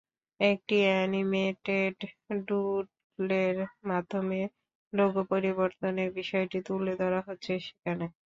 একটি অ্যানিমেটেড ডুডলের মাধ্যমে লোগো পরিবর্তনের বিষয়টি তুলে ধরা হচ্ছে সেখানে।